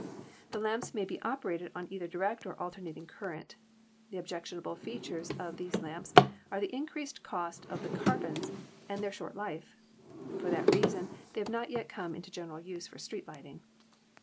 The lamps may be operated on either direct or alternating current. The objectionable features of these lamps are the increased cost of the carbons and their short life. For that reason they have not yet come into general use for street lighting.